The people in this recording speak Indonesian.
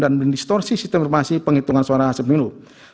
dan mendistorsi sistem informasi penghitungan suara hasil pemilu